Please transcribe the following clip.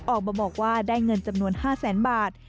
ออกมาบอกว่าได้เงินจำนวน๕แสนบาท